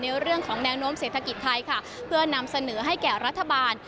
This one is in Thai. เรื่องของแนวโน้มเศรษฐกิจไทยค่ะเพื่อนำเสนอให้แก่รัฐบาล